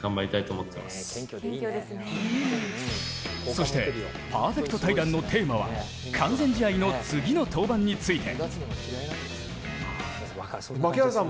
そしてパーフェクト対談のテーマは完全試合の次の登板について。